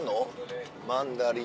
マンダリン。